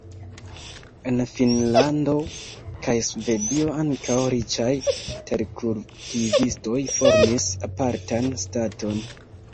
En Finnlando kaj Svedio ankaŭ riĉaj terkultivistoj formis apartan "Staton".